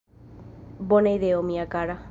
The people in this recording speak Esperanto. Bona ideo, mia kara!